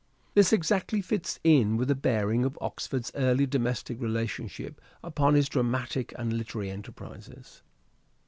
This exactly fits in with the bearing of Oxford's early domestic relationships upon his dramatic and literary enterprises.